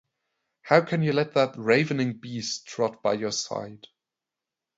How can you let that ravening beast trot by your side?